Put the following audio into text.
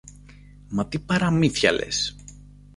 Μα τι παραμύθια λες!